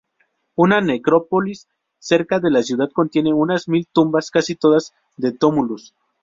Una necrópolis cerca de la ciudad contiene unas mil tumbas, casi todas de túmulos.